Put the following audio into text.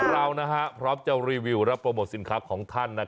เราพร้อมจะรีวิวรับโปรโมทสินค้าของท่าน